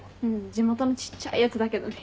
地元のちっちゃいやつだけどね。